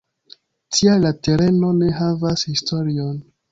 Tial la tereno ne havas historion.